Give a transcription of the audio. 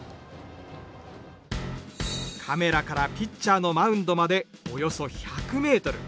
カメラからピッチャーのマウンドまでおよそ１００ｍ。